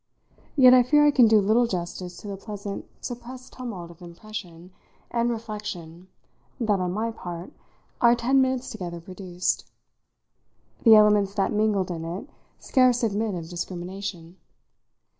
Yet I fear I can do little justice to the pleasant suppressed tumult of impression and reflection that, on my part, our ten minutes together produced. The elements that mingled in it scarce admit of discrimination.